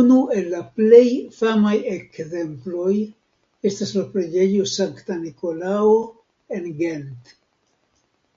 Unu el la pli famaj ekzemploj estas la preĝejo Sankta Nikolao en Gent.